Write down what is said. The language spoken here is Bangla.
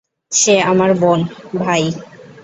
সে আমার বোন, ভাই!